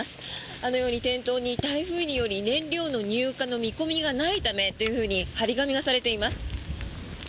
あのように店頭に、台風により燃料の入荷の見込みがないためと貼り紙がされています。